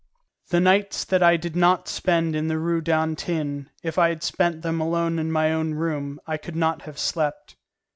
The nights that I did not spend in the Rue d'Antin, if I had spent them alone in my own room, I could not have slept.